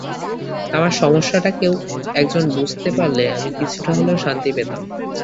আমার সমস্যাটা কেউ একজন বুঝতে পারলে আমি কিছুটা হলেও শান্তি পেতাম।